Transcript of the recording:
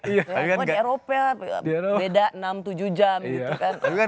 cuma di eropa beda enam tujuh jam gitu kan